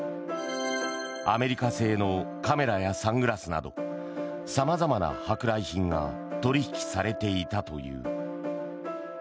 アメリカ製のカメラやサングラスなどさまざまな舶来品が取引されていたという。